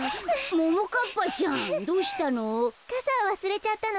ももかっぱちゃんどうしたの？